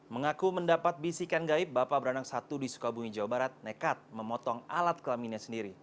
mengaku mendapat bisikan gaib bapak beranak satu di sukabumi jawa barat nekat memotong alat kelaminnya sendiri